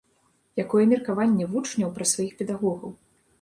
Якое меркаванне вучняў пра сваіх педагогаў?